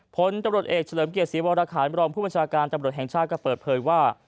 ผลตำรวจเอกเฉลิมเกียรติศรีวรคารรองผู้บัญชาการตำรวจแห่งชาติก็เปิดเผยว่า